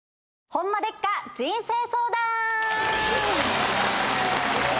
ホンマでっか⁉人生相談！